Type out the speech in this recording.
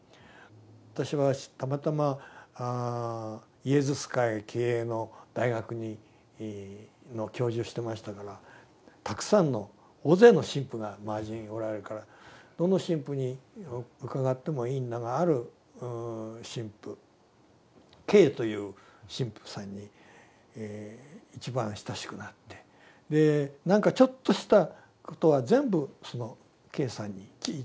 私はたまたまイエズス会経営の大学の教授をしてましたからたくさんの大勢の神父が周りにおられるからどの神父に伺ってもいいんだがある神父Ｋという神父さんに一番親しくなってでなんかちょっとしたことは全部そのＫさんに聞いたんです。